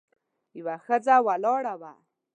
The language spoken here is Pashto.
یوه ښځه ولاړه وه.